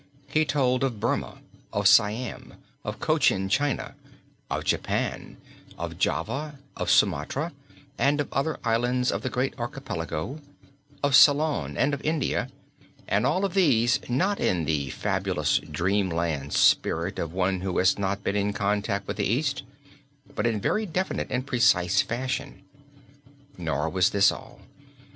He told of Burmah, of Siam, of Cochin China, of Japan, of Java, of Sumatra, and of other islands of the great Archipelago, of Ceylon, and of India, and all of these not in the fabulous dreamland spirit of one who has not been in contact with the East but in very definite and precise fashion. Nor was this all.